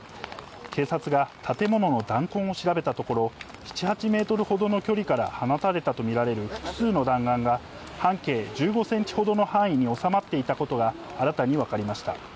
警察が建物の弾痕を調べたところ、７、８メートルほどの距離から放たれたと見られる複数の弾丸が、半径１５センチほどの範囲に収まっていたことが新たに分かりました。